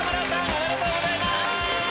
おめでとうございます！